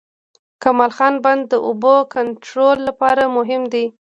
کمال خان بند د اوبو کنټرول لپاره مهم دی